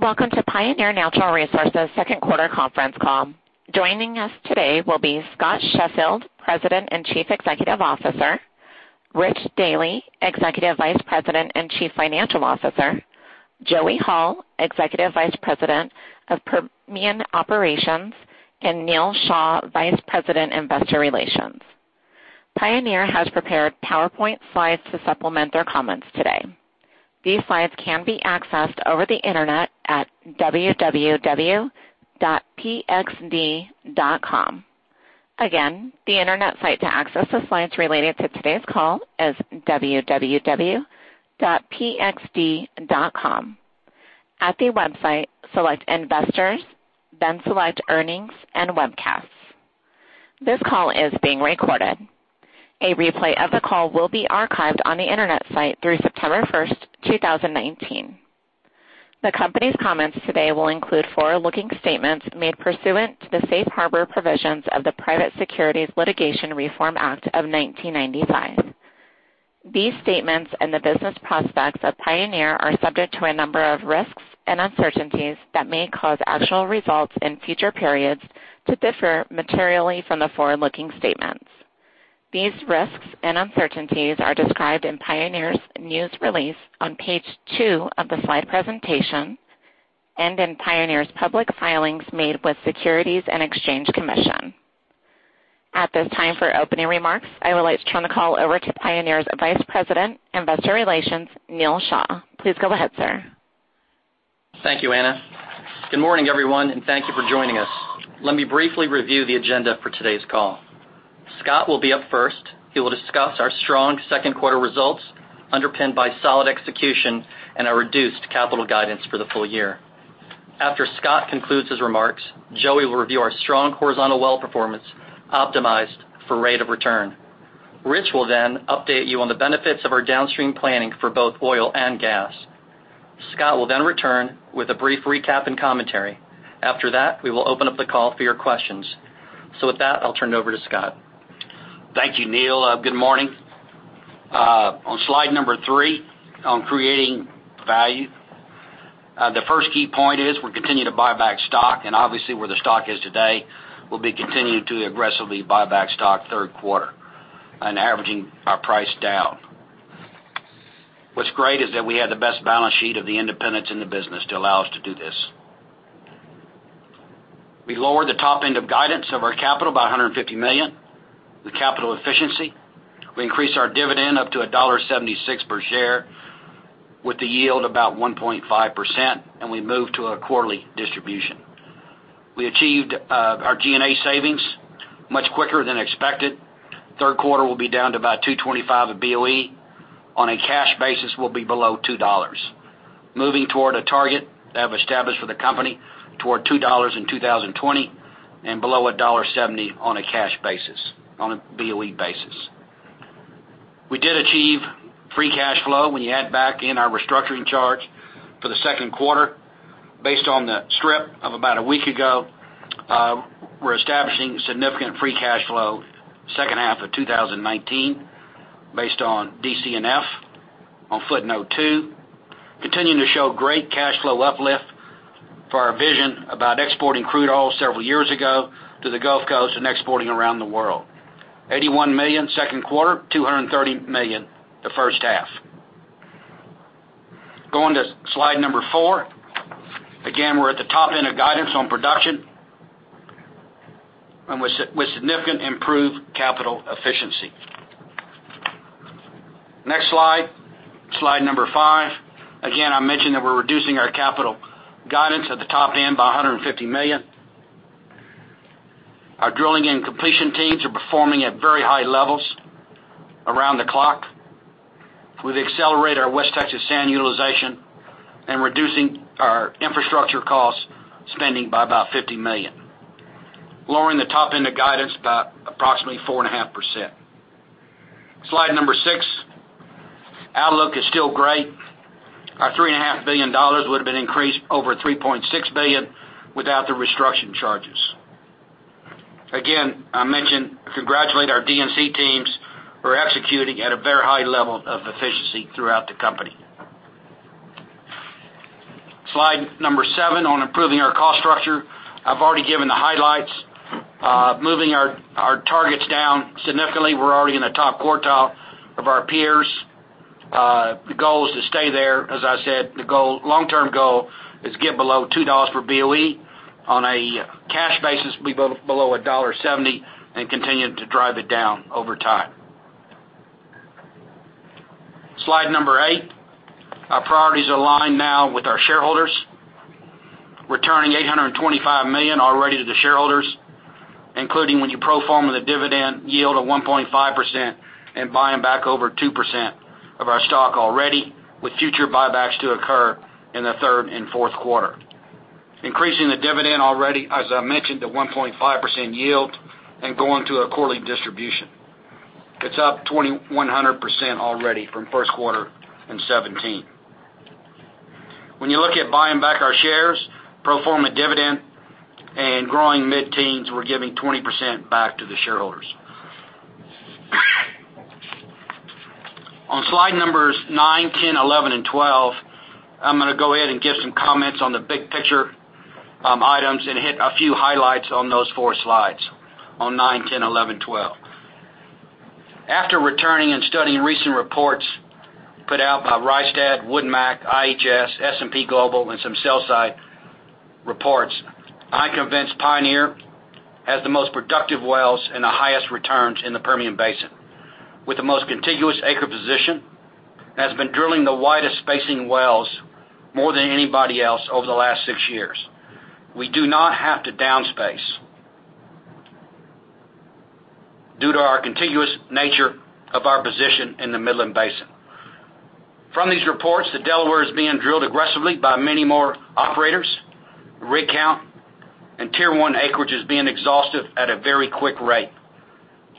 Welcome to Pioneer Natural Resources' second quarter conference call. Joining us today will be Scott Sheffield, President and Chief Executive Officer, Rich Dealy, Executive Vice President and Chief Financial Officer, Joey Hall, Executive Vice President of Permian Operations, and Neal Shah, Vice President Investor Relations. Pioneer has prepared PowerPoint slides to supplement their comments today. These slides can be accessed over the Internet at www.pxd.com. Again, the Internet site to access the slides related to today's call is www.pxd.com. At the website, select Investors, then select Earnings and Webcasts. This call is being recorded. A replay of the call will be archived on the Internet site through September 1st, 2019. The company's comments today will include forward-looking statements made pursuant to the safe harbor provisions of the Private Securities Litigation Reform Act of 1995. These statements and the business prospects of Pioneer are subject to a number of risks and uncertainties that may cause actual results in future periods to differ materially from the forward-looking statements. These risks and uncertainties are described in Pioneer's news release on page two of the slide presentation and in Pioneer's public filings made with the Securities and Exchange Commission. At this time, for opening remarks, I would like to turn the call over to Pioneer's Vice President, Investor Relations, Neal Shah. Please go ahead, sir. Thank you, Anna. Good morning, everyone, and thank you for joining us. Let me briefly review the agenda for today's call. Scott will be up first. He will discuss our strong second quarter results underpinned by solid execution and our reduced capital guidance for the full year. After Scott concludes his remarks, Joey will review our strong horizontal well performance optimized for rate of return. Rich will update you on the benefits of our downstream planning for both oil and gas. Scott will return with a brief recap and commentary. After that, we will open up the call for your questions. With that, I'll turn it over to Scott. Thank you, Neal. Good morning. On slide number three, on creating value, the first key point is we're continuing to buy back stock, and obviously, where the stock is today, we'll be continuing to aggressively buy back stock third quarter and averaging our price down. What's great is that we have the best balance sheet of the independents in the business to allow us to do this. We lowered the top end of guidance of our capital by $150 million, the capital efficiency. We increased our dividend up to $1.76 per share with the yield about 1.5%, and we moved to a quarterly distribution. We achieved our G&A savings much quicker than expected. third quarter will be down to about $2.25 a BOE. On a cash basis, we'll be below $2.00. Moving toward a target that I've established for the company toward $2.00 in 2020 and below $1.70 on a cash basis, on a BOE basis. We did achieve free cash flow when you add back in our restructuring charge for the second quarter. Based on the strip of about a week ago, we're establishing significant free cash flow second half of 2019 based on DCF on footnote two. Continuing to show great cash flow uplift for our vision about exporting crude oil several years ago to the Gulf Coast and exporting around the world. $81 million second quarter, $230 million the first half. Going to slide number four. Again, we're at the top end of guidance on production and with significant improved capital efficiency. Next slide number five. Again, I mentioned that we're reducing our capital guidance at the top end by $150 million. Our drilling and completion teams are performing at very high levels around the clock. We've accelerated our West Texas sand utilization and reducing our infrastructure costs spending by about $50 million, lowering the top end of guidance by approximately 4.5%. Slide number six. Outlook is still great. Our $3.5 billion would have been increased over $3.6 billion without the restructuring charges. Again, I mentioned, congratulate our D&C teams who are executing at a very high level of efficiency throughout the company. Slide number seven on improving our cost structure. I've already given the highlights, moving our targets down significantly. We're already in the top quartile of our peers. The goal is to stay there. As I said, the long-term goal is get below $2 for BOE. On a cash basis, be below $1.70 and continue to drive it down over time. Slide number eight. Our priorities align now with our shareholders, returning $825 million already to the shareholders, including when you pro forma the dividend yield of 1.5% and buying back over 2% of our stock already, with future buybacks to occur in the third and fourth quarter. Increasing the dividend already, as I mentioned, to 1.5% yield and going to a quarterly distribution. It's up 2,100% already from first quarter in 2017. When you look at buying back our shares, pro forma dividend, and growing mid-teens, we're giving 20% back to the shareholders. On slide numbers nine, 10, 11, and 12, I'm going to go ahead and give some comments on the big picture items and hit a few highlights on those four slides, on nine, 10, 11, 12. After returning and studying recent reports put out by Rystad, Woodmac, IHS, S&P Global, and some sell side reports, I'm convinced Pioneer has the most productive wells and the highest returns in the Permian Basin. With the most contiguous acre position, and has been drilling the widest spacing wells more than anybody else over the last six years. We do not have to down space, due to our contiguous nature of our position in the Midland Basin. From these reports, the Delaware is being drilled aggressively by many more operators. Rig count and Tier 1 acreage is being exhausted at a very quick rate.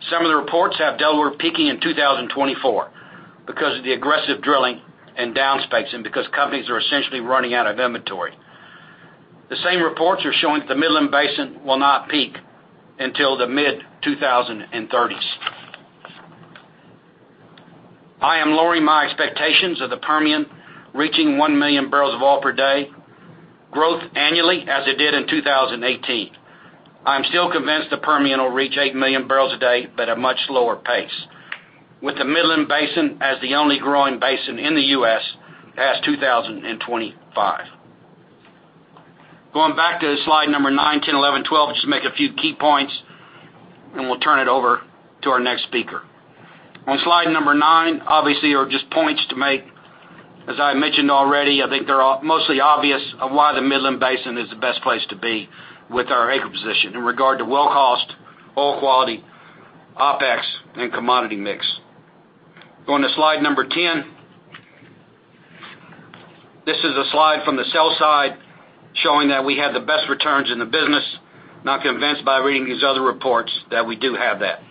Some of the reports have Delaware peaking in 2024 because of the aggressive drilling and down spacing, because companies are essentially running out of inventory. The same reports are showing that the Midland Basin will not peak until the mid-2030s. I am lowering my expectations of the Permian reaching 1 million barrels of oil per day growth annually as it did in 2018. I'm still convinced the Permian will reach 8 million barrels a day but at a much slower pace, with the Midland Basin as the only growing basin in the U.S. past 2025. Going back to slide number nine, 10, 11, 12, just make a few key points and we'll turn it over to our next speaker. On slide number nine, obviously, are just points to make. As I mentioned already, I think they're mostly obvious of why the Midland Basin is the best place to be with our acre position in regard to well cost, oil quality, OpEx, and commodity mix. Going to slide number 10. This is a slide from the sell side showing that we have the best returns in the business. I'm convinced by reading these other reports that we do have that.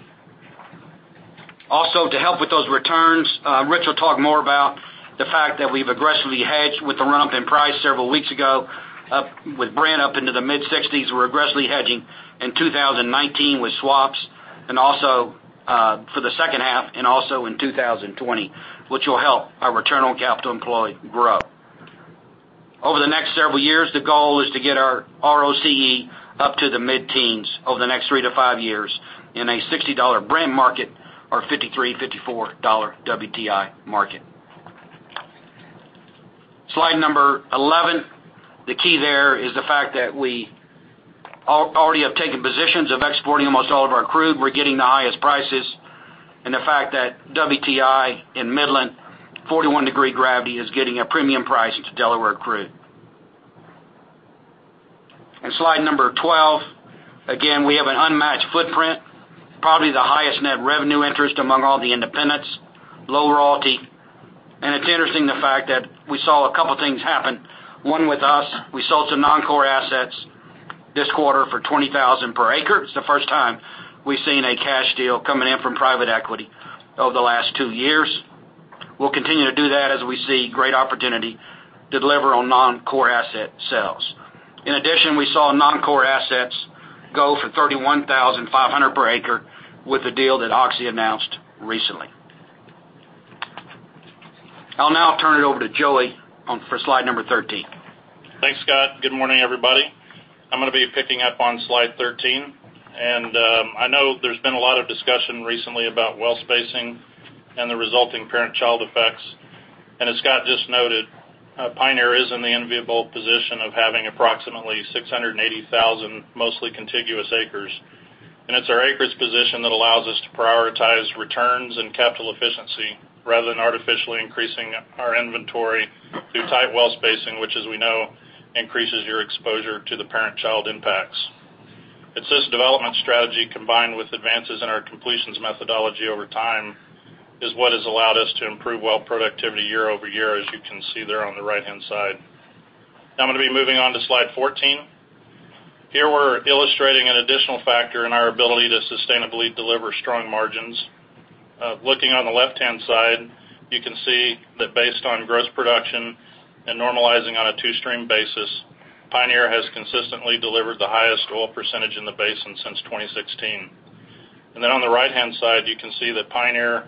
Also, to help with those returns, Rich will talk more about the fact that we've aggressively hedged with the run-up in price several weeks ago, up with Brent up into the mid-60s. We're aggressively hedging in 2019 with swaps, and also for the second half and also in 2020, which will help our return on capital employed grow. Over the next several years, the goal is to get our ROCE up to the mid-teens over the next three to five years in a $60 Brent market or $53, $54 WTI market. Slide number 11. The key there is the fact that we already have taken positions of exporting almost all of our crude. We're getting the highest prices, and the fact that WTI in Midland, 41-degree gravity is getting a premium price to Delaware crude. Slide number 12. Again, we have an unmatched footprint, probably the highest net revenue interest among all the independents, low royalty. It's interesting the fact that we saw a couple of things happen. One with us, we sold some non-core assets this quarter for $20,000 per acre. It's the first time we've seen a cash deal coming in from private equity over the last two years. We'll continue to do that as we see great opportunity deliver on non-core asset sales. In addition, we saw non-core assets go for $31,500 per acre with the deal that Oxy announced recently. I'll now turn it over to Joey for slide number 13. Thanks, Scott. Good morning, everybody. I'm going to be picking up on slide 13. I know there's been a lot of discussion recently about well spacing and the resulting parent-child effects. As Scott just noted, Pioneer is in the enviable position of having approximately 680,000 mostly contiguous acres. It's our acreage position that allows us to prioritize returns and capital efficiency rather than artificially increasing our inventory through tight well spacing, which, as we know, increases your exposure to the parent-child impacts. It's this development strategy, combined with advances in our completions methodology over time, is what has allowed us to improve well productivity year-over-year, as you can see there on the right-hand side. Now I'm going to be moving on to slide 14. Here we're illustrating an additional factor in our ability to sustainably deliver strong margins. Looking on the left-hand side, you can see that based on gross production and normalizing on a two-stream basis, Pioneer has consistently delivered the highest oil percentage in the basin since 2016. On the right-hand side, you can see that Pioneer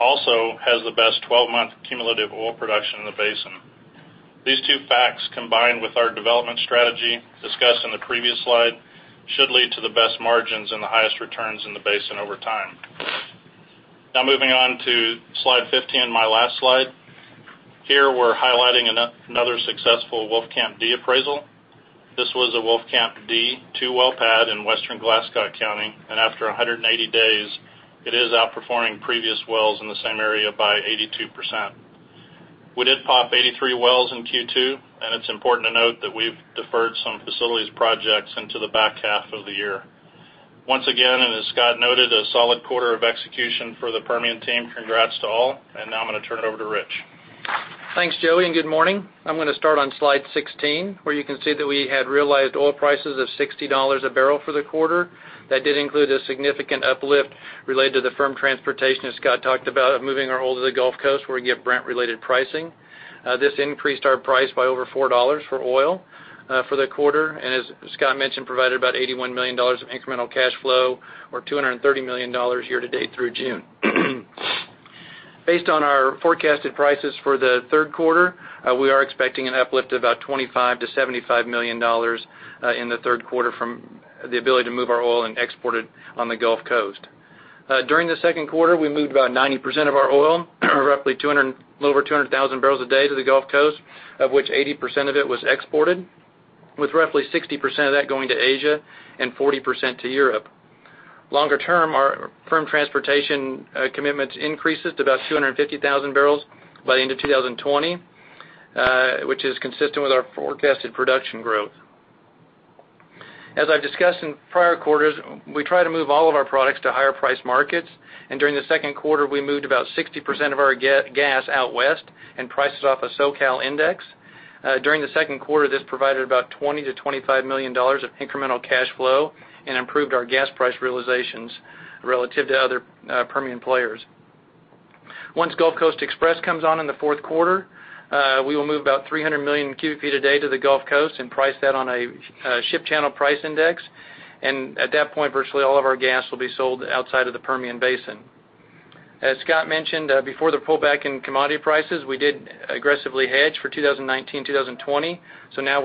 also has the best 12-month cumulative oil production in the basin. These two facts, combined with our development strategy discussed in the previous slide, should lead to the best margins and the highest returns in the basin over time. Moving on to slide 15, my last slide. Here we're highlighting another successful Wolfcamp D appraisal. This was a Wolfcamp D two-well pad in Western Glasscock County, after 180 days, it is outperforming previous wells in the same area by 82%. We did POP 83 wells in Q2, it's important to note that we've deferred some facilities projects into the back half of the year. Once again, as Scott noted, a solid quarter of execution for the Permian team. Congrats to all. Now I'm going to turn it over to Rich. Thanks, Joey, and good morning. I'm going to start on slide 16, where you can see that we had realized oil prices of $60 a barrel for the quarter. That did include a significant uplift related to the firm transportation, as Scott talked about, of moving our oil to the Gulf Coast, where we get Brent-related pricing. This increased our price by over $4 for oil. For the quarter, as Scott mentioned, provided about $81 million of incremental cash flow, or $230 million year to date through June. Based on our forecasted prices for the third quarter, we are expecting an uplift of about $25 million-$75 million in the third quarter from the ability to move our oil and export it on the Gulf Coast. During the second quarter, we moved about 90% of our oil, roughly a little over 200,000 barrels a day to the Gulf Coast, of which 80% of it was exported, with roughly 60% of that going to Asia and 40% to Europe. Longer term, our firm transportation commitments increases to about 250,000 barrels by the end of 2020, which is consistent with our forecasted production growth. As I've discussed in prior quarters, we try to move all of our products to higher price markets, and during the second quarter, we moved about 60% of our gas out west and priced it off of SoCal index. During the second quarter, this provided about $20 million-$25 million of incremental cash flow and improved our gas price realizations relative to other Permian players. Once Gulf Coast Express comes on in the fourth quarter, we will move about 300 million cubic feet a day to the Gulf Coast and price that on a Ship Channel price index. At that point, virtually all of our gas will be sold outside of the Permian Basin. As Scott mentioned, before the pullback in commodity prices, we did aggressively hedge for 2019, 2020. Now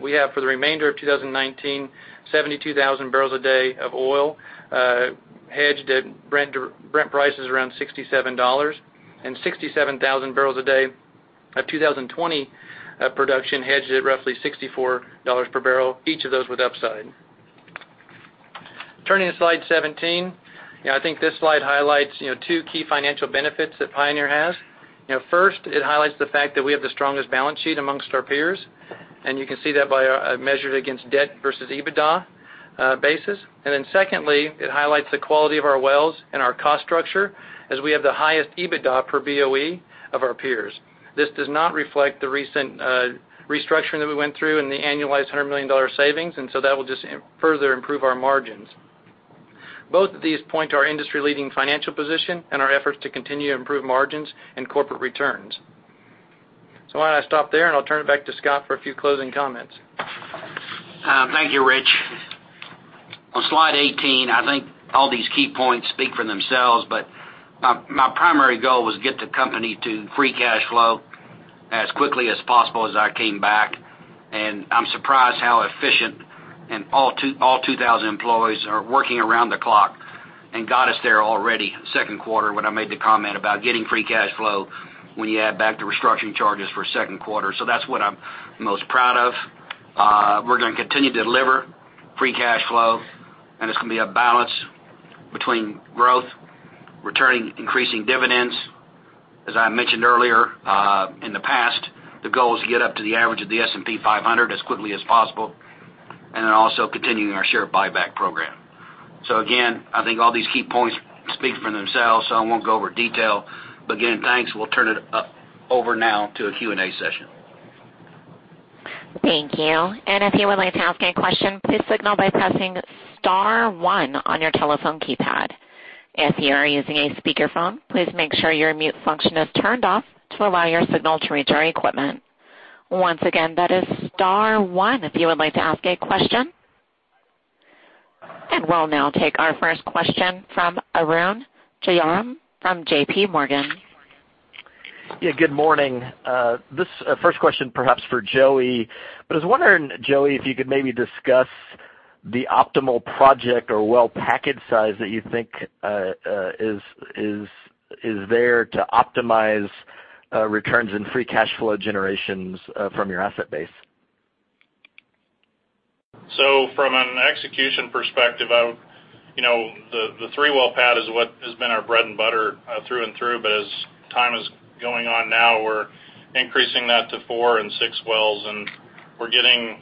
we have for the remainder of 2019, 72,000 barrels a day of oil hedged at Brent prices around $67 and 67,000 barrels a day of 2020 production hedged at roughly $64 per barrel, each of those with upside. Turning to slide 17. I think this slide highlights two key financial benefits that Pioneer has. First, it highlights the fact that we have the strongest balance sheet amongst our peers, and you can see that by measured against debt versus EBITDA basis. Secondly, it highlights the quality of our wells and our cost structure as we have the highest EBITDA per BOE of our peers. This does not reflect the recent restructuring that we went through and the annualized $100 million savings, and so that will just further improve our margins. Both of these point to our industry-leading financial position and our efforts to continue to improve margins and corporate returns. Why don't I stop there and I'll turn it back to Scott for a few closing comments. Thank you, Rich. On slide 18, I think all these key points speak for themselves, but my primary goal was get the company to free cash flow as quickly as possible as I came back. I'm surprised how efficient and all 2,000 employees are working around the clock and got us there already second quarter when I made the comment about getting free cash flow, when you add back the restructuring charges for second quarter. That's what I'm most proud of. We're going to continue to deliver free cash flow, and it's going to be a balance between growth, returning increasing dividends. As I mentioned earlier, in the past, the goal is to get up to the average of the S&P 500 as quickly as possible, and then also continuing our share buyback program. Again, I think all these key points speak for themselves, so I won't go over detail. Again, thanks, we'll turn it over now to a Q&A session. Thank you. If you would like to ask a question, please signal by pressing *1 on your telephone keypad. If you are using a speakerphone, please make sure your mute function is turned off to allow your signal to reach our equipment. Once again, that is *1 if you would like to ask a question. We'll now take our first question from Arun Jayaram from JPMorgan. Yeah. Good morning. This first question perhaps for Joey. I was wondering, Joey, if you could maybe discuss the optimal project or well package size that you think is there to optimize returns and free cash flow generations from your asset base. From an execution perspective, the three-well pad is what has been our bread and butter through and through. As time is going on now, we're increasing that to four and six wells, and we're getting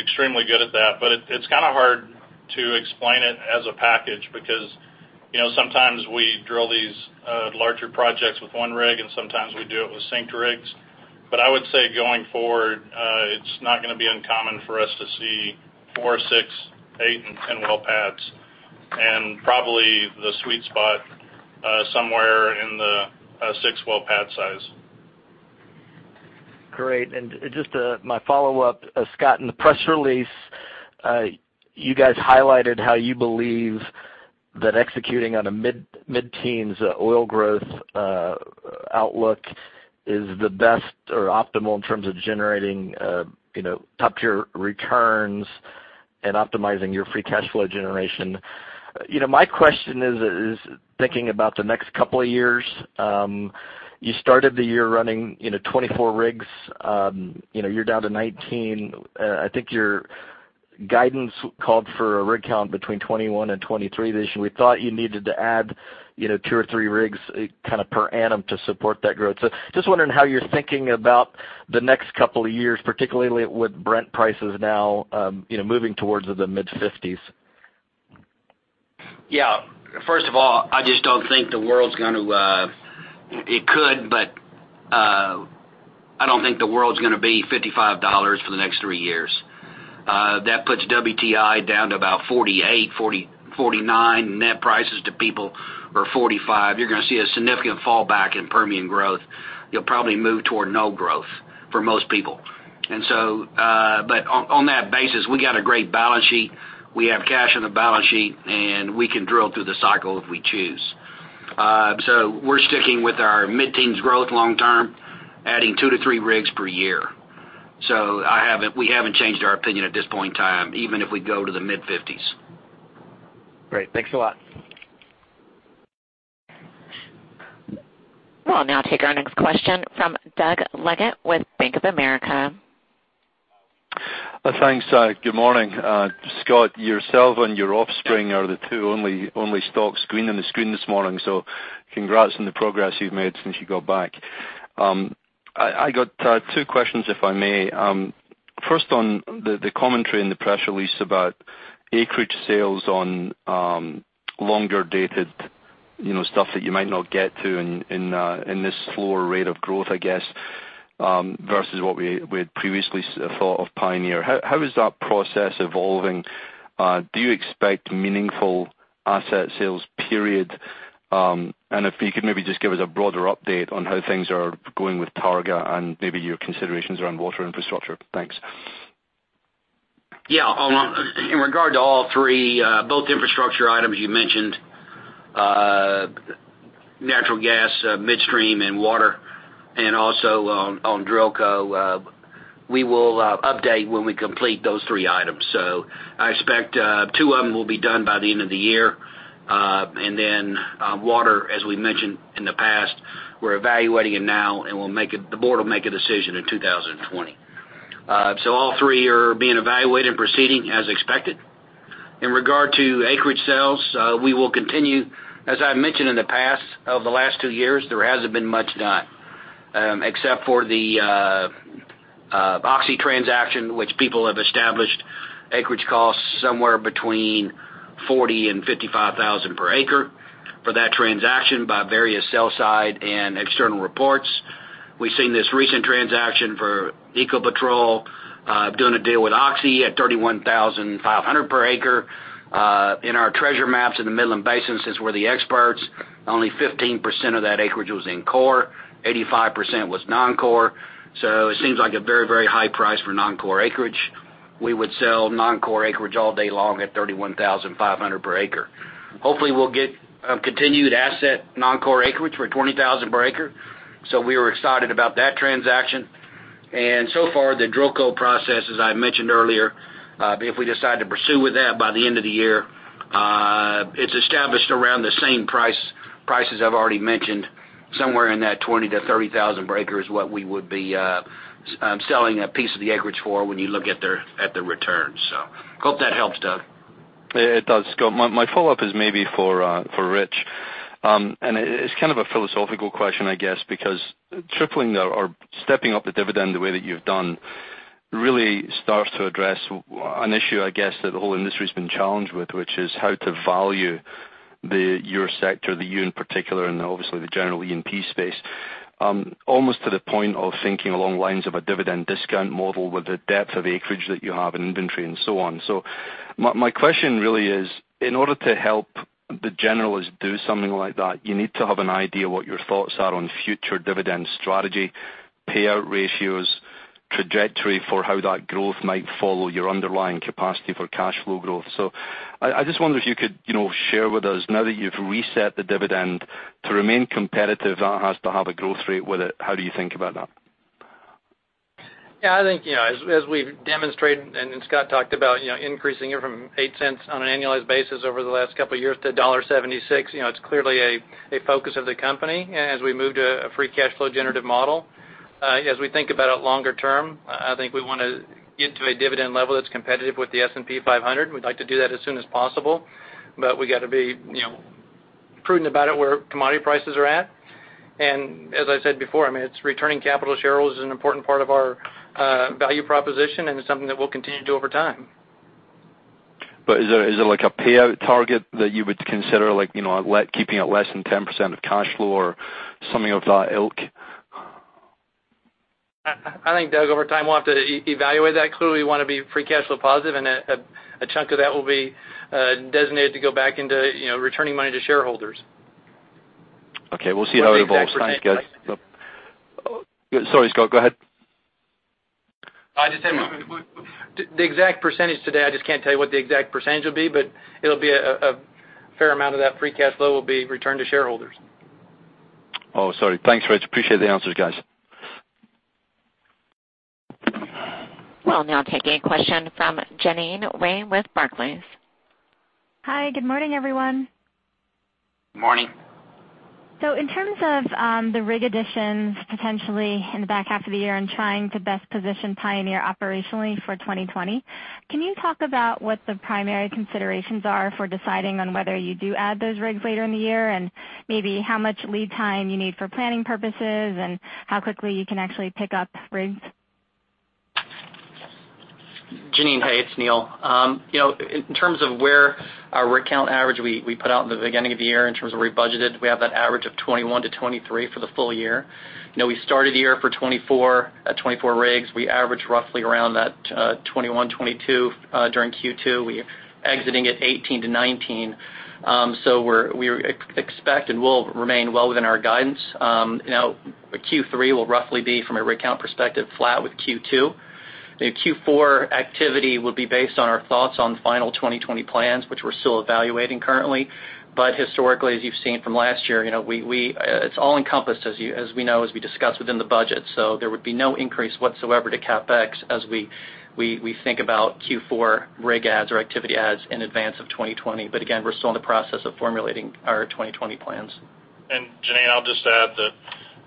extremely good at that. It's hard to explain it as a package because sometimes we drill these larger projects with one rig, and sometimes we do it with synced rigs. I would say going forward, it's not going to be uncommon for us to see four, six, eight, and 10-well pads. Probably the sweet spot, somewhere in the six-well pad size. Great. Just my follow-up, Scott, in the press release, you guys highlighted how you believe that executing on a mid-teens oil growth outlook is the best or optimal in terms of generating top-tier returns and optimizing your free cash flow generation. My question is thinking about the next couple of years. You started the year running 24 rigs. You're down to 19. I think your guidance called for a rig count between 21 and 23 this year. We thought you needed to add two or three rigs per annum to support that growth. Just wondering how you're thinking about the next couple of years, particularly with Brent prices now moving towards the mid-50s. First of all, It could, but I don't think the world's going to be $55 for the next three years. That puts WTI down to about 48, 49, net prices to people are 45. You're going to see a significant fallback in Permian growth. You'll probably move toward no growth for most people. On that basis, we got a great balance sheet. We have cash on the balance sheet, and we can drill through the cycle if we choose. We're sticking with our mid-teens growth long term, adding 2 to 3 rigs per year. We haven't changed our opinion at this point in time, even if we go to the mid-50s. Great. Thanks a lot. We'll now take our next question from Doug Leggate with Bank of America. Thanks. Good morning. Scott, yourself and your offspring are the two only stocks green on the screen this morning, congrats on the progress you've made since you got back. I got two questions, if I may. First, on the commentary in the press release about acreage sales on longer-dated stuff that you might not get to in this slower rate of growth, I guess, versus what we had previously thought of Pioneer. How is that process evolving? Do you expect meaningful asset sales, period? If you could maybe just give us a broader update on how things are going with Targa and maybe your considerations around water infrastructure. Thanks. In regard to all three, both infrastructure items you mentioned, natural gas, midstream, and water, and also on DrillCo, we will update when we complete those three items. I expect two of them will be done by the end of the year. Water, as we mentioned in the past, we're evaluating it now, and the board will make a decision in 2020. All three are being evaluated and proceeding as expected. In regard to acreage sales, we will continue. As I've mentioned in the past, over the last two years, there hasn't been much done except for the Oxy transaction, which people have established acreage costs somewhere between $40,000-$55,000 per acre for that transaction by various sell side and external reports. We've seen this recent transaction for Ecopetrol doing a deal with Oxy at $31,500 per acre. In our treasure maps in the Midland Basin, since we're the experts, only 15% of that acreage was in core, 85% was non-core. It seems like a very high price for non-core acreage. We would sell non-core acreage all day long at $31,500 per acre. Hopefully, we'll get continued asset non-core acreage for $20,000 per acre. We were excited about that transaction. So far, the DrillCo process, as I mentioned earlier, if we decide to pursue with that by the end of the year, it's established around the same prices I've already mentioned, somewhere in that $20,000-$30,000 per acre is what we would be selling a piece of the acreage for when you look at the returns. Hope that helps, Doug. It does. Scott, my follow-up is maybe for Rich. It's kind of a philosophical question, I guess, because tripling or stepping up the dividend the way that you've done really starts to address an issue, I guess, that the whole industry's been challenged with, which is how to value your sector, you in particular, and obviously the general E&P space. Almost to the point of thinking along the lines of a dividend discount model with the depth of acreage that you have in inventory and so on. My question really is, in order to help the generalists do something like that, you need to have an idea what your thoughts are on future dividend strategy, payout ratios, trajectory for how that growth might follow your underlying capacity for cash flow growth. I just wonder if you could share with us, now that you've reset the dividend, to remain competitive, that has to have a growth rate with it. How do you think about that? Yeah, I think as we've demonstrated, Scott talked about increasing it from $0.08 on an annualized basis over the last couple of years to $1.76, it's clearly a focus of the company as we move to a free cash flow generative model. As we think about it longer term, I think we want to get to a dividend level that's competitive with the S&P 500. We'd like to do that as soon as possible. We got to be prudent about it where commodity prices are at. As I said before, it's returning capital to shareholders is an important part of our value proposition, and it's something that we'll continue to do over time. Is there a payout target that you would consider, like keeping it less than 10% of cash flow or something of that ilk? I think, Doug, over time, we'll have to evaluate that. Clearly, we want to be free cash flow positive, and a chunk of that will be designated to go back into returning money to shareholders. Okay. We'll see how it evolves. Thanks, guys. What the exact percentage is. Sorry, Scott, go ahead. The exact percentage today, I just can't tell you what the exact percentage will be, but a fair amount of that free cash flow will be returned to shareholders. Oh, sorry. Thanks, Rich. Appreciate the answers, guys. We'll now take a question from Jeanine Wai with Barclays. Hi, good morning, everyone. Morning. In terms of the rig additions potentially in the back half of the year and trying to best position Pioneer operationally for 2020, can you talk about what the primary considerations are for deciding on whether you do add those rigs later in the year, and maybe how much lead time you need for planning purposes, and how quickly you can actually pick up rigs? Jeanine, hey, it's Neal. In terms of where our rig count average we put out in the beginning of the year in terms of where we budgeted, we have that average of 21-23 for the full year. We started the year for 24 at 24 rigs. We averaged roughly around that 21, 22 during Q2. We exiting at 18-19. We expect and will remain well within our guidance. Q3 will roughly be, from a rig count perspective, flat with Q2. The Q4 activity will be based on our thoughts on final 2020 plans, which we're still evaluating currently. Historically, as you've seen from last year, it's all encompassed as we know, as we discussed within the budget. There would be no increase whatsoever to CapEx as we think about Q4 rig adds or activity adds in advance of 2020. Again, we're still in the process of formulating our 2020 plans. Jeanine, I'll just add that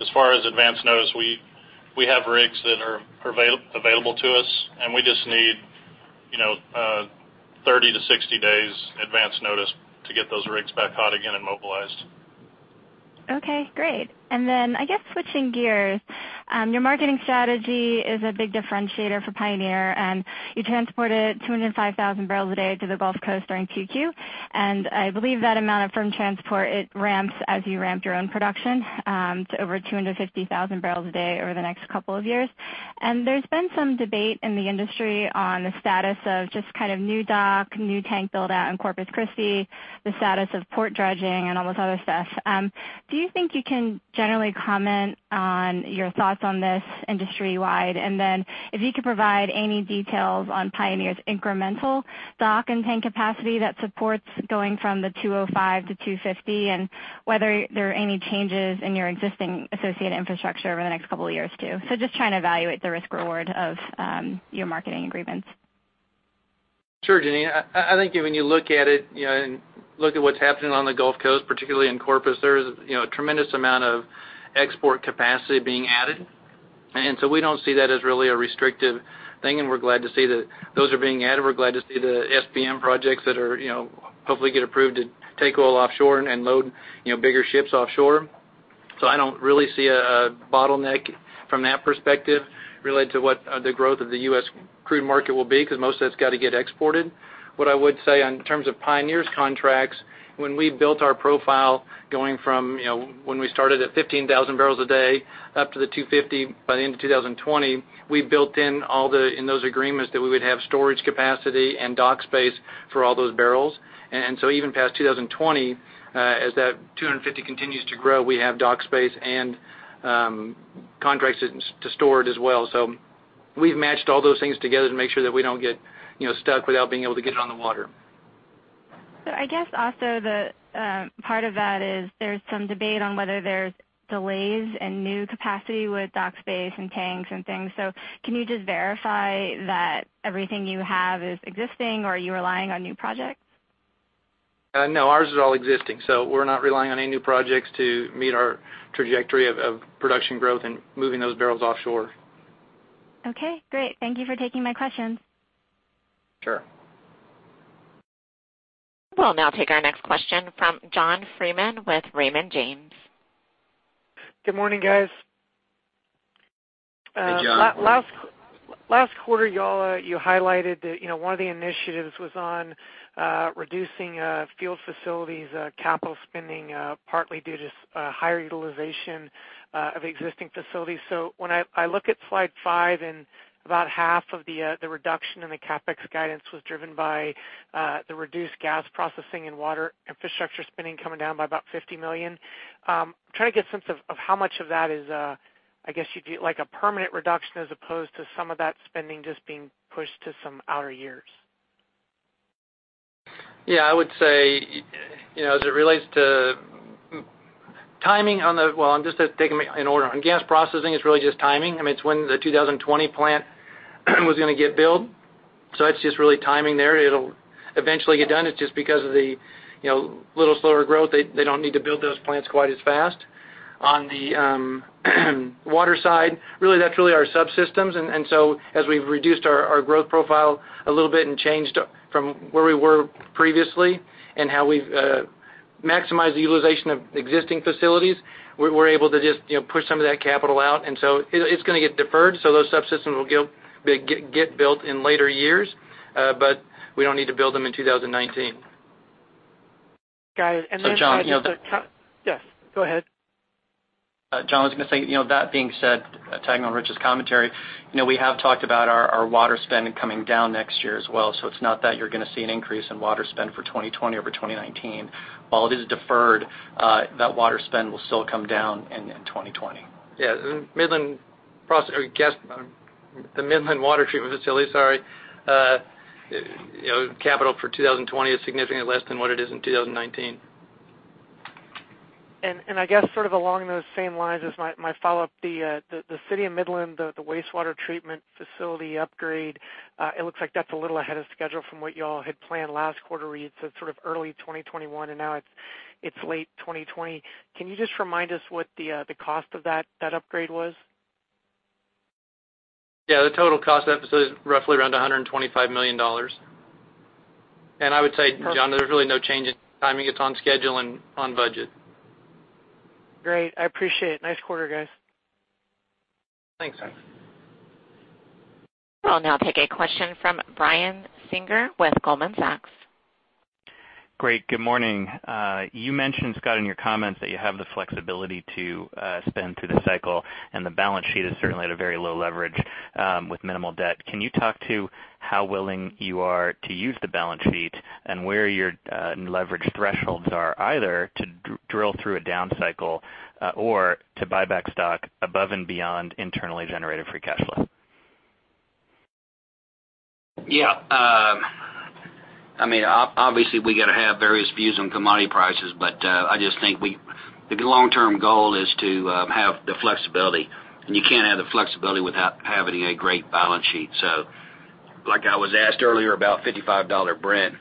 as far as advance notice, we have rigs that are available to us, and we just need 30-60 days advance notice to get those rigs back hot again and mobilized. Okay, great. I guess switching gears, your marketing strategy is a big differentiator for Pioneer, you transported 205,000 barrels a day to the Gulf Coast during 2Q, I believe that amount of firm transport, it ramps as you ramp your own production, to over 250,000 barrels a day over the next couple of years. There's been some debate in the industry on the status of just new dock, new tank build-out in Corpus Christi, the status of port dredging and all this other stuff. Do you think you can generally comment on your thoughts on this industry-wide? If you could provide any details on Pioneer's incremental dock and tank capacity that supports going from the 205 to 250, whether there are any changes in your existing associated infrastructure over the next couple of years, too. Just trying to evaluate the risk-reward of your marketing agreements. Sure, Jeanine. I think when you look at it and look at what's happening on the Gulf Coast, particularly in Corpus, there's a tremendous amount of export capacity being added. We don't see that as really a restrictive thing, and we're glad to see that those are being added. We're glad to see the SPM projects that hopefully get approved to take oil offshore and load bigger ships offshore. I don't really see a bottleneck from that perspective related to what the growth of the U.S. crude market will be, because most of that's got to get exported. What I would say in terms of Pioneer's contracts, when we built our profile going from when we started at 15,000 barrels a day up to the 250 by the end of 2020, we built in those agreements that we would have storage capacity and dock space for all those barrels. Even past 2020, as that 250 continues to grow, we have dock space and contracts to store it as well. We've matched all those things together to make sure that we don't get stuck without being able to get it on the water. I guess also the part of that is there's some debate on whether there's delays in new capacity with dock space and tanks and things. Can you just verify that everything you have is existing or are you relying on new projects? No, ours is all existing. We're not relying on any new projects to meet our trajectory of production growth and moving those barrels offshore. Okay, great. Thank you for taking my questions. Sure. We'll now take our next question from John Freeman with Raymond James. Good morning, guys. Hey, John. Last quarter, you highlighted that one of the initiatives was on reducing field facilities capital spending, partly due to higher utilization of existing facilities. When I look at slide five and about half of the reduction in the CapEx guidance was driven by the reduced gas processing and water infrastructure spending coming down by about $50 million. I'm trying to get a sense of how much of that is, I guess, like a permanent reduction as opposed to some of that spending just being pushed to some outer years. Yeah, I would say as it relates to timing on the-- Well, I'm just taking in order. On gas processing, it's really just timing. It's when the 2020 plant was going to get built. That's just really timing there. It'll eventually get done. It's just because of the little slower growth, they don't need to build those plants quite as fast. On the water side, really, that's really our subsystems, as we've reduced our growth profile a little bit and changed from where we were previously and how we've maximized the utilization of existing facilities, we're able to just push some of that capital out. It's going to get deferred, those subsystems will get built in later years. We don't need to build them in 2019. Got it. John. Yes, go ahead. John, I was going to say, that being said, tagging on to Rich's commentary, we have talked about our water spend coming down next year as well. It's not that you're going to see an increase in water spend for 2020 over 2019. While it is deferred, that water spend will still come down in 2020. The Midland water treatment facility, capital for 2020 is significantly less than what it is in 2019. I guess sort of along those same lines as my follow-up, the city of Midland, the wastewater treatment facility upgrade, it looks like that's a little ahead of schedule from what you all had planned last quarter. We had said sort of early 2021, and now it's late 2020. Can you just remind us what the cost of that upgrade was? Yeah, the total cost of that facility is roughly around $125 million. I would say, John, there's really no change in timing. It's on schedule and on budget. Great. I appreciate it. Nice quarter, guys. Thanks. We'll now take a question from Brian Singer with Goldman Sachs. Great, good morning. You mentioned, Scott, in your comments that you have the flexibility to spend through the cycle, and the balance sheet is certainly at a very low leverage with minimal debt. Can you talk to how willing you are to use the balance sheet and where your leverage thresholds are, either to drill through a down cycle or to buy back stock above and beyond internally generated free cash flow? Yeah. Obviously, we got to have various views on commodity prices, I just think the long-term goal is to have the flexibility, and you can't have the flexibility without having a great balance sheet. Like I was asked earlier about $55 Brent,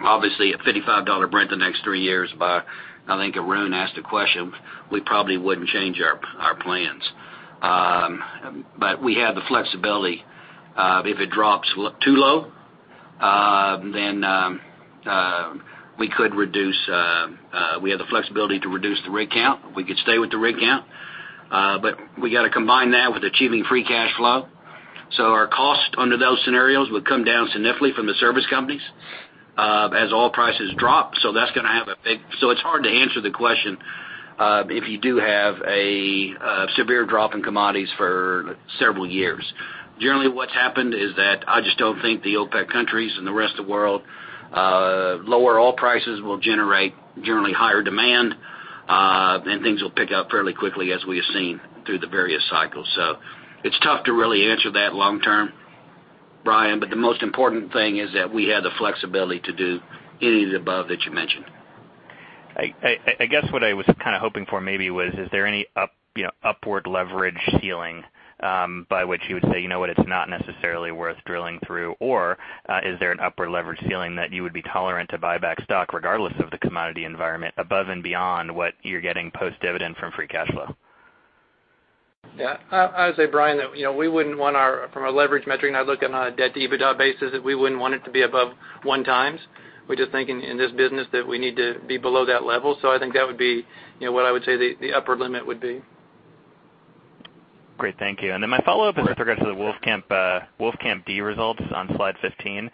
obviously at $55 Brent the next three years by, I think Arun asked the question, we probably wouldn't change our plans. We have the flexibility. If it drops too low, then we have the flexibility to reduce the rig count. We could stay with the rig count. We got to combine that with achieving free cash flow. Our cost under those scenarios would come down significantly from the service companies as oil prices drop. It's hard to answer the question if you do have a severe drop in commodities for several years. Generally, what's happened is that I just don't think the OPEC countries and the rest of the world, lower oil prices will generate generally higher demand, and things will pick up fairly quickly as we have seen through the various cycles. It's tough to really answer that long term, Brian. The most important thing is that we have the flexibility to do any of the above that you mentioned. I guess what I was kind of hoping for maybe was, is there any upward leverage ceiling by which you would say, "You know what, it's not necessarily worth drilling through," or is there an upward leverage ceiling that you would be tolerant to buy back stock regardless of the commodity environment above and beyond what you're getting post-dividend from free cash flow? Yeah. I would say, Brian, that from a leverage metric, and I'd look at it on a debt-to-EBITDA basis, that we wouldn't want it to be above one times. We're just thinking in this business that we need to be below that level. I think that would be what I would say the upper limit would be. Great. Thank you. My follow-up is with regards to the Wolfcamp D results on slide 15.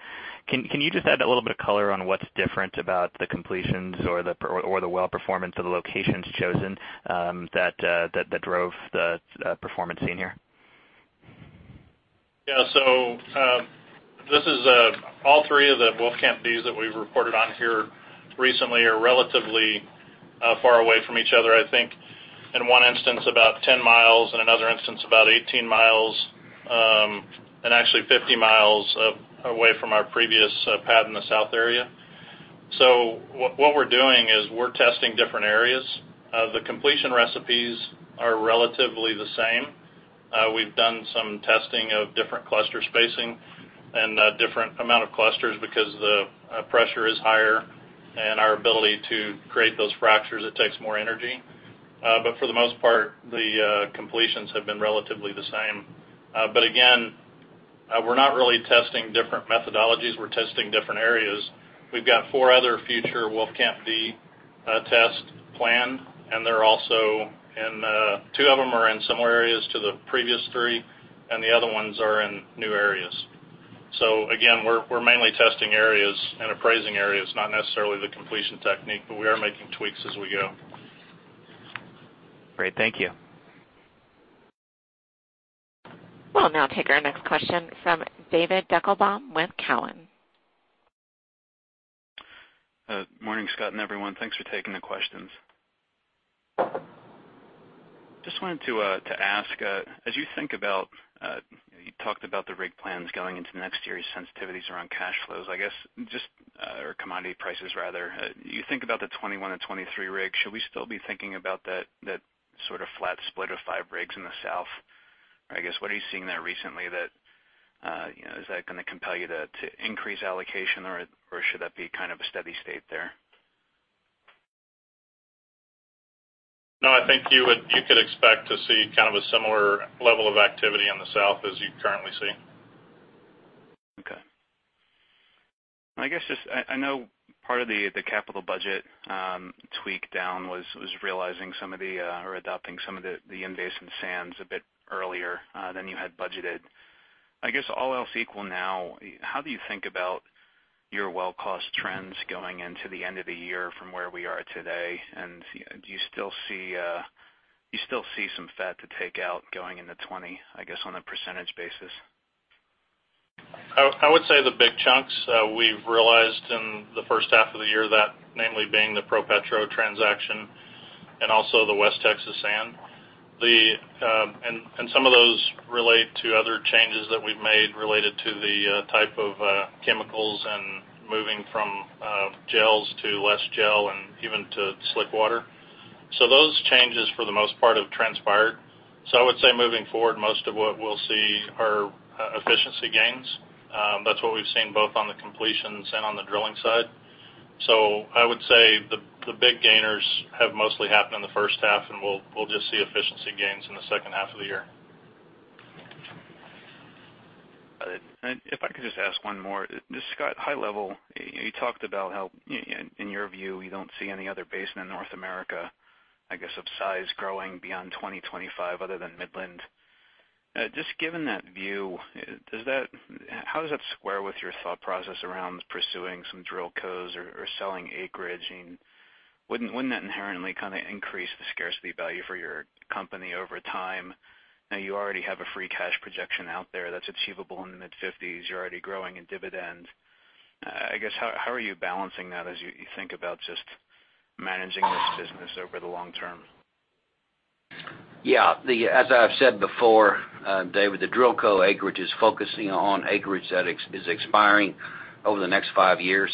Can you just add a little bit of color on what's different about the completions or the well performance of the locations chosen that drove the performance seen here? All three of the Wolfcamp Ds that we've reported on here recently are relatively far away from each other. I think in one instance, about 10 miles, in another instance, about 18 miles, and actually 50 miles away from our previous pad in the south area. What we're doing is we're testing different areas. The completion recipes are relatively the same. We've done some testing of different cluster spacing and different amount of clusters because the pressure is higher and our ability to create those fractures, it takes more energy. For the most part, the completions have been relatively the same. Again, we're not really testing different methodologies, we're testing different areas. We've got four other future Wolfcamp D test planned, and two of them are in similar areas to the previous three, and the other ones are in new areas. Again, we're mainly testing areas and appraising areas, not necessarily the completion technique, but we are making tweaks as we go. Great. Thank you. We'll now take our next question from David Deckelbaum with Cowen. Morning, Scott and everyone. Thanks for taking the questions. Just wanted to ask, you talked about the rig plans going into next year's sensitivities around cash flows, I guess, or commodity prices rather. You think about the 21-23 rigs, should we still be thinking about that sort of flat split of five rigs in the south? I guess, what are you seeing there recently that, is that going to compel you to increase allocation or should that be kind of a steady state there? No, I think you could expect to see kind of a similar level of activity in the south as you currently see. Okay. I know part of the capital budget tweak down was adopting some of the in-basin sands a bit earlier than you had budgeted. I guess all else equal now, how do you think about your well cost trends going into the end of the year from where we are today? Do you still see some fat to take out going into 2020, I guess, on a percentage basis? I would say the big chunks we've realized in the first half of the year, that namely being the ProPetro transaction and also the West Texas sand. Some of those relate to other changes that we've made related to the type of chemicals and moving from gels to less gel and even to slick water. Those changes, for the most part, have transpired. I would say moving forward, most of what we'll see are efficiency gains. That's what we've seen both on the completions and on the drilling side. I would say the big gainers have mostly happened in the first half, and we'll just see efficiency gains in the second half of the year. If I could just ask one more. Scott, high level, you talked about how, in your view, you don't see any other basin in North America, I guess, of size growing beyond 2025 other than Midland. Given that view, how does that square with your thought process around pursuing some DrillCo or selling acreage? Wouldn't that inherently increase the scarcity value for your company over time? You already have a free cash projection out there that's achievable in the mid-50s. You're already growing a dividend. I guess, how are you balancing that as you think about just managing this business over the long term? Yeah. As I've said before, David, the DrillCo acreage is focusing on acreage that is expiring over the next 5 years,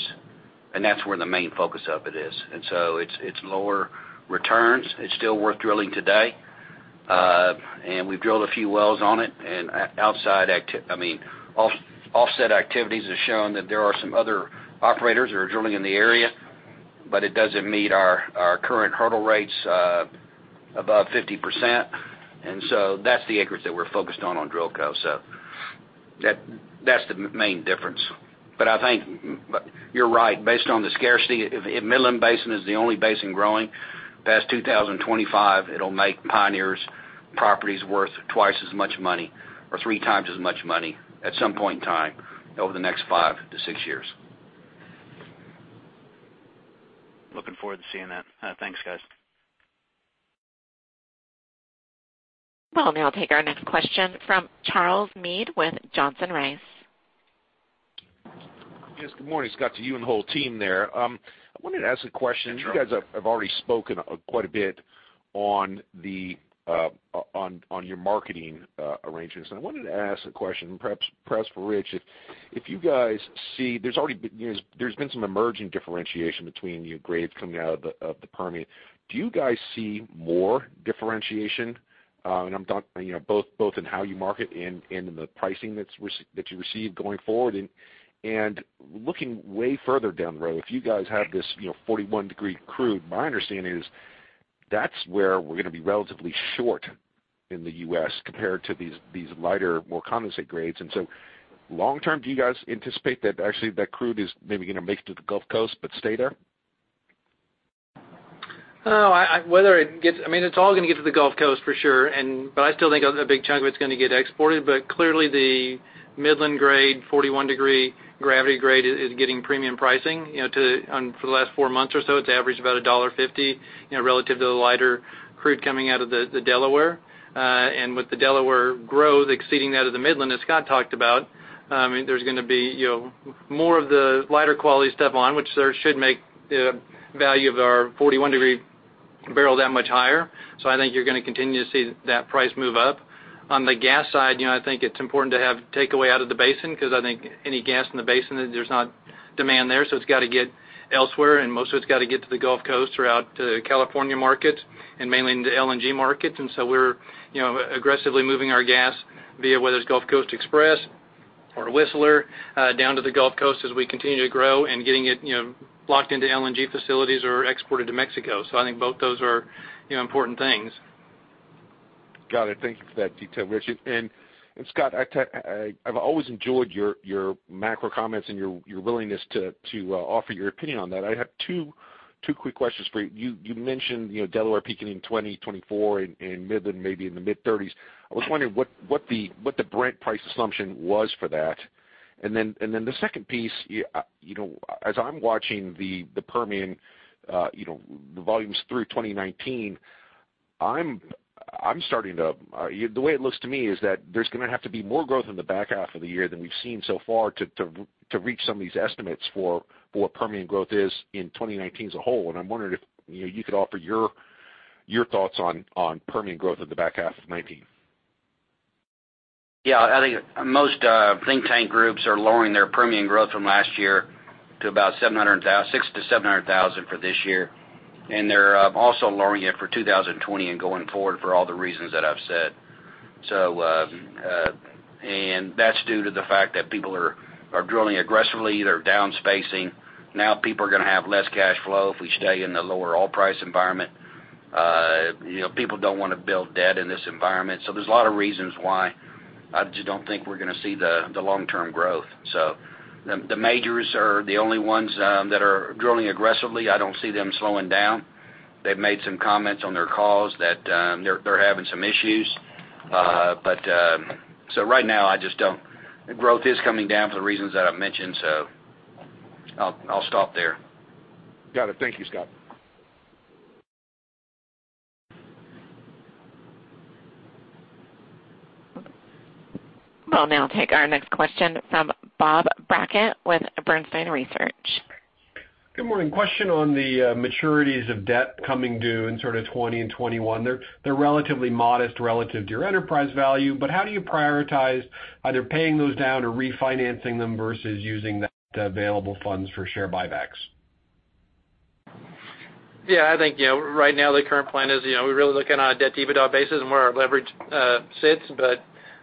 that's where the main focus of it is. It's lower returns. It's still worth drilling today. We've drilled a few wells on it and offset activities have shown that there are some other operators that are drilling in the area, but it doesn't meet our current hurdle rates above 50%. That's the acreage that we're focused on DrillCo. That's the main difference. I think you're right. Based on the scarcity, if Midland Basin is the only basin growing past 2025, it'll make Pioneer's properties worth twice as much money or three times as much money at some point in time over the next 5 to 6 years. Looking forward to seeing that. Thanks, guys. We'll now take our next question from Charles Meade with Johnson Rice. Good morning, Scott, to you and the whole team there. I wanted to ask a question. Sure. You guys have already spoken quite a bit on your marketing arrangements. I wanted to ask a question, perhaps for Rich. There's been some emerging differentiation between your grades coming out of the Permian. Do you guys see more differentiation? I'm talking both in how you market and in the pricing that you receive going forward. Looking way further down the road, if you guys have this 41-degree crude, my understanding is that's where we're going to be relatively short in the U.S. compared to these lighter, more condensate grades. Long term, do you guys anticipate that actually that crude is maybe going to make it to the Gulf Coast but stay there? It's all going to get to the Gulf Coast for sure. I still think a big chunk of it's going to get exported. Clearly the Midland grade 41-degree gravity grade is getting premium pricing. For the last four months or so, it's averaged about $1.50 relative to the lighter crude coming out of the Delaware. With the Delaware growth exceeding that of the Midland, as Scott talked about, there's going to be more of the lighter quality stuff on which there should make the value of our 41-degree barrel that much higher. I think you're going to continue to see that price move up. On the gas side, I think it's important to have takeaway out of the basin because I think any gas in the basin, there's not demand there, so it's got to get elsewhere, and most of it's got to get to the Gulf Coast or out to California markets and mainly into LNG markets. We're aggressively moving our gas via whether it's Gulf Coast Express or Whistler down to the Gulf Coast as we continue to grow and getting it locked into LNG facilities or exported to Mexico. I think both those are important things. Got it. Thank you for that detail, Rich. Scott, I've always enjoyed your macro comments and your willingness to offer your opinion on that. I have two quick questions for you. You mentioned Delaware peaking in 2024 and Midland maybe in the mid-30s. I was wondering what the Brent price assumption was for that. The second piece, as I'm watching the Permian, the volumes through 2019, the way it looks to me is that there's going to have to be more growth in the back half of the year than we've seen so far to reach some of these estimates for what Permian growth is in 2019 as a whole. I'm wondering if you could offer your thoughts on Permian growth in the back half of 2019. I think most think tank groups are lowering their Permian growth from last year to about 600,000-700,000 for this year. They're also lowering it for 2020 and going forward for all the reasons that I've said. That's due to the fact that people are drilling aggressively. They're down-spacing. Now people are going to have less cash flow if we stay in the lower oil price environment. People don't want to build debt in this environment. There's a lot of reasons why I just don't think we're going to see the long-term growth. The majors are the only ones that are drilling aggressively. I don't see them slowing down. They've made some comments on their calls that they're having some issues. Right now, growth is coming down for the reasons that I've mentioned, so I'll stop there. Got it. Thank you, Scott. We'll now take our next question from Bob Brackett with Bernstein Research. Good morning. Question on the maturities of debt coming due in sort of 2020 and 2021. They're relatively modest relative to your enterprise value, but how do you prioritize either paying those down or refinancing them versus using the available funds for share buybacks? Yeah, I think right now the current plan is we're really looking on a debt-to-EBITDA basis and where our leverage sits.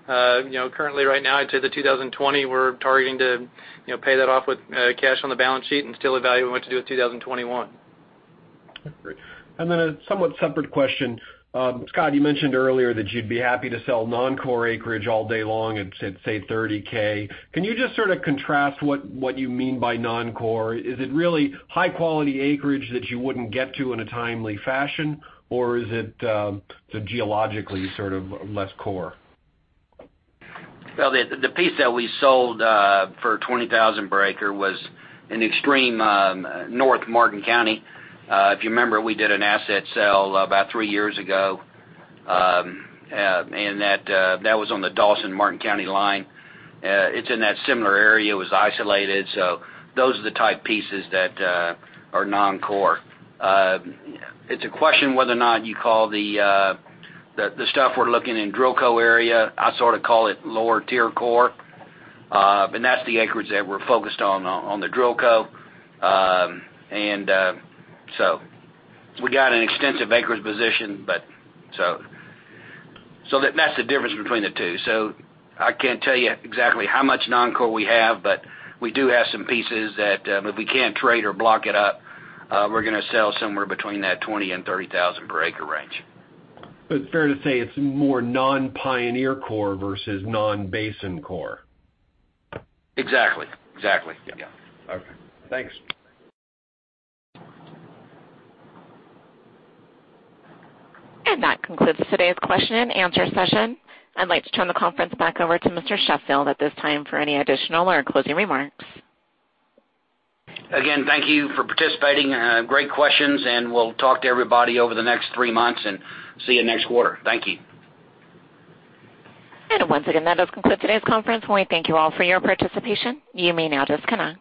Currently right now into the 2020, we're targeting to pay that off with cash on the balance sheet and still evaluate what to do with 2021. Then a somewhat separate question. Scott, you mentioned earlier that you'd be happy to sell non-core acreage all day long at, say, $30,000. Can you just sort of contrast what you mean by non-core? Is it really high-quality acreage that you wouldn't get to in a timely fashion? Or is it geologically sort of less core? The piece that we sold for $20,000 per acre was in extreme North Martin County. If you remember, we did an asset sale about three years ago, and that was on the Dawson/Martin County line. It's in that similar area. It was isolated. Those are the type pieces that are non-core. It's a question whether or not you call the stuff we're looking in DrillCo area, I sort of call it lower tier core. That's the acreage that we're focused on the DrillCo. We got an extensive acreage position, so that's the difference between the two. I can't tell you exactly how much non-core we have, but we do have some pieces that if we can't trade or block it up, we're going to sell somewhere between that $20,000 and $30,000 per acre range. Fair to say it's more non-Pioneer core versus non-basin core. Exactly. Yeah. Okay. Thanks. That concludes today's question and answer session. I'd like to turn the conference back over to Mr. Sheffield at this time for any additional or closing remarks. Again, thank you for participating. Great questions, and we'll talk to everybody over the next three months and see you next quarter. Thank you. Once again, that does conclude today's conference. We thank you all for your participation. You may now disconnect.